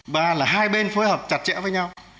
ba là hai bên phối hợp chặt chẽ với nhau